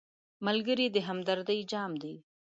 ملګری د همدردۍ جام دی